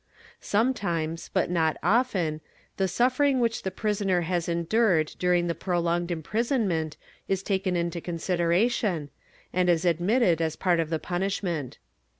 Sometimes, but not often, the suffering which the prisoner has endured during prolonged imprisonment is taken into consideration, and is admitted as part of the punishment.